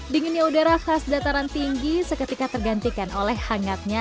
dinginnya udara khas dataran tinggi seketika tergantikan oleh hangatnya